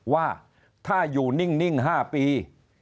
ว่าถ้าอยู่นิ่ง๕ปี